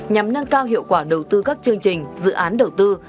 nhằm nâng cao hiệu quả đầu tư các chương trình dự án đầu tư